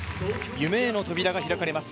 夢への扉が開かれます